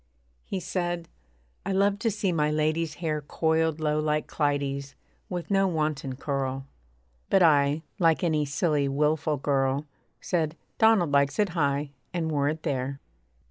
He said, 'I love to see my lady's hair Coiled low like Clytie's with no wanton curl.' But I, like any silly, wilful girl, Said, 'Donald likes it high,' and wore it there.